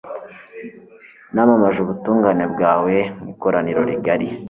Namamaje ubutungane bwawe mu ikoraniro rigari